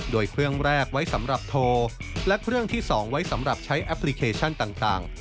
โดยเครื่องแรกไว้สำหรับโทรและเครื่องที่๒ไว้สำหรับใช้แอปพลิเคชันต่าง